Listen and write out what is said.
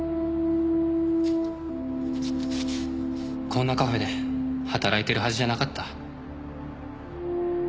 「こんなカフェで働いてるはずじゃなかった」